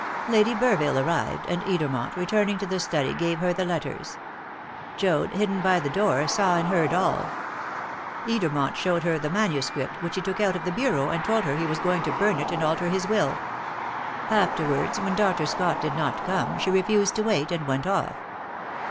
"Lady Burville arrived, and Edermont, returning to the study, gave her the letters. Joad, hidden behind the door, saw and heard all. Edermont showed her the manuscript, which he took out of the bureau, and told her he was going to burn it and alter his will. Afterwards, when Dr. Scott did not come, she refused to wait, and went off.